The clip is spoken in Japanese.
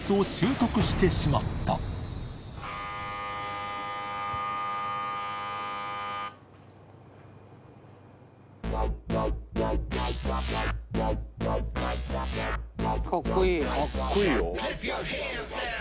かっこいいよ。）